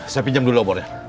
saya pinjam dulu obornya